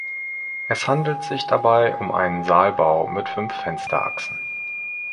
Es handelt sich dabei um einen Saalbau mit fünf Fensterachsen.